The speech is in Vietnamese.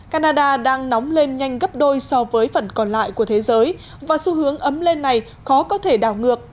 canada đang nóng lên nhanh gấp đôi so với phần còn lại của thế giới và xu hướng ấm lên này khó có thể đảo ngược